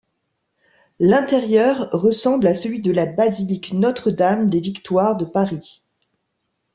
L'intérieur ressemble à celui de la Basilique Notre-Dame-des-Victoires de Paris.